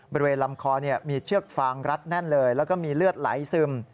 บริเวณลำคอมีเชือกฟางรัดแน่นเลยแล้วก็มีเลือดไหลซึม